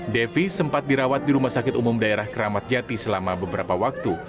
devi sempat dirawat di rumah sakit umum daerah keramat jati selama beberapa waktu